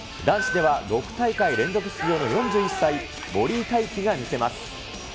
男子では６大会連続出場の４１歳、森井大輝が見せます。